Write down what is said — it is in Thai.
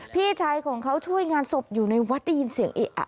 พี่ชายของเขาช่วยงานศพอยู่ในวัดได้ยินเสียงเอะอะ